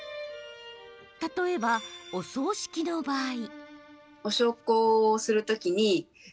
例えば、お葬式の場合。